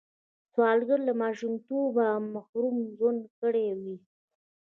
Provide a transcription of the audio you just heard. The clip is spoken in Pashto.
سوالګر له ماشومتوبه محروم ژوند کړی وي